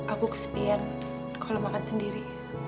aku kesepian kalau makan sendiri